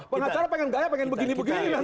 pengacara pengen gaya pengen begini begini lah